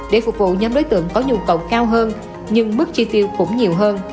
để phục vụ nhóm đối tượng có nhu cầu cao hơn nhưng mức chi tiêu cũng nhiều hơn